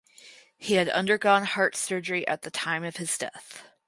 He had undergone heart surgery at the time of his death.